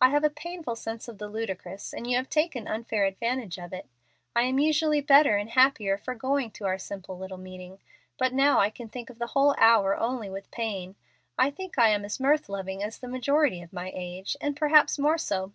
I have a painful sense of the ludicrous, and you have taken unfair advantage of it. I am usually better and happier for going to our simple little meeting, but now I can think of the whole hour only with pain. I think I am as mirth loving as the majority of my age, and perhaps more so.